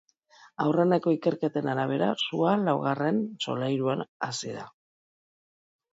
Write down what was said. Aurreneko ikerketen arabera, sua laugarren solairuan hasi da.